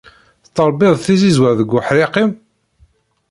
Tettṛebbiḍ tizizwa deg uḥṛiq-im?